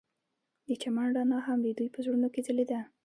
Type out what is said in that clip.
د چمن رڼا هم د دوی په زړونو کې ځلېده.